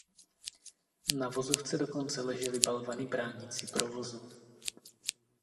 Na vozovce dokonce ležely balvany bránící provozu.